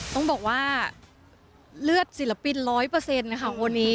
ต้องบอกว่าเลือดศิลปินร้อยเปอร์เซ็นต์ค่ะวันนี้